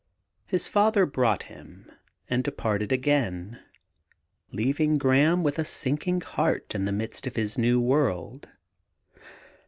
His father brought him and departed again, leaving Graham with a sinking heart in the midst of his new world.